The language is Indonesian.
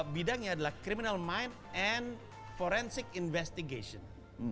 bidangnya adalah criminal mind and forensic investigation